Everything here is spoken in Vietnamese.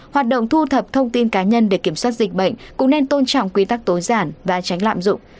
hoạt động thu thập thông tin cá nhân để kiểm soát dịch bệnh cũng nên tôn trọng quy tắc tối giản và tránh lạm dụng